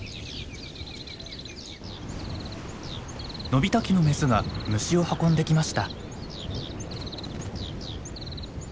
ノビタキのメスが虫を運んできました。